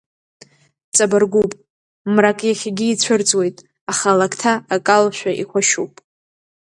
Ҵабыргуп, мрак иахьагьы ицәырҵуеит, аха, алакҭа акалашәа ихәашьуп.